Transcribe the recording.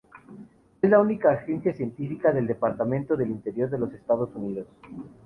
Es la única agencia científica del Departamento del Interior de los Estados Unidos.